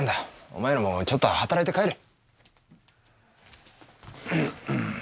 お前らもちょっと働いて帰れ。